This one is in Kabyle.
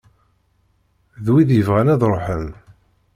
D wid yebɣan ad ruḥen.